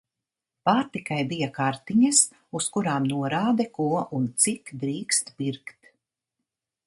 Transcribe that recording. Pārtikai bija "kartiņas", uz kurām norāde, ko un cik drīkst pirkt.